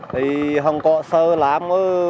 thì không có sơ làm